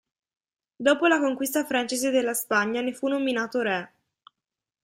Dopo la conquista francese della Spagna ne fu nominato re.